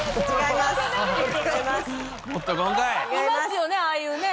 いますよねああいうね。